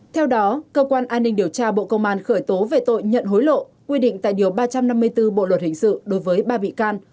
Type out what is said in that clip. theo đó cơ quan an ninh điều tra bộ công an khởi tố về tội nhận hối lộ quy định tại điều ba trăm năm mươi bốn bộ luật hình sự đối với ba bị can